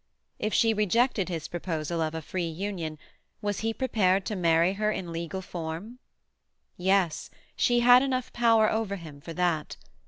If she rejected his proposal of a free union, was he prepared to marry her in legal form? Yes; she had enough power over him for that.